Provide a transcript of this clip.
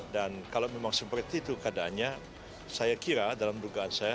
dan kalau memang seperti itu keadaannya saya kira dalam dugaan saya